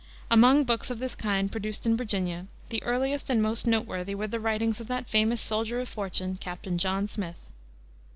Among books of this kind produced in Virginia the earliest and most noteworthy were the writings of that famous soldier of fortune, Captain John Smith.